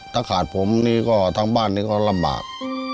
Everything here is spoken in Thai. ถ้าขาดผมนี่ก็ทั้งบ้านนี้ก็ลำบาก